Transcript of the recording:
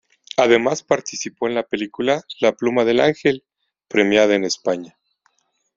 Además participó en la película "La pluma del ángel", premiada en España.